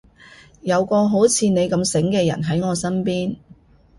有個好似你咁醒嘅人喺我身邊